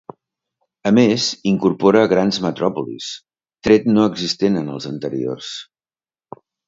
A més, incorpora grans metròpolis, tret no existent en els anteriors.